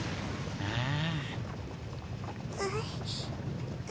ああ。